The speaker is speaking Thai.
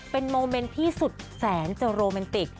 เป็นโมเมนต์ที่สุดแสนจะโรแมนติก